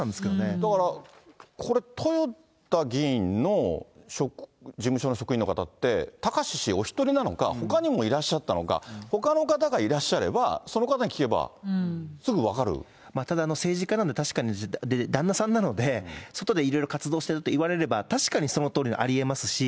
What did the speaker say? だから、これ、豊田議員の事務所の職員の方って、貴志氏お１人なのか、ほかにもいらっしゃったのか、ほかの方がいらっしゃればその方にただ政治家なんで、確かに旦那さんなので、外でいろいろ活動していると言われれば、確かにそのとおり、ありえますし。